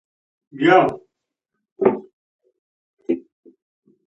اوولسمه برخه د چیني او غوښې کیسه.